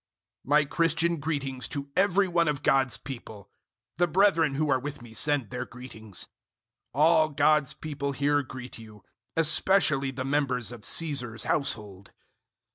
004:021 My Christian greetings to every one of God's people. The brethren who are with me send their greetings. 004:022 All God's people here greet you especially the members of Caesar's household.